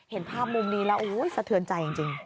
เห็นภาพมุมนี้แล้วสะเทือนใจจริง